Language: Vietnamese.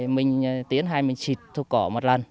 mình tiến hay mình xịt thuốc cỏ một lần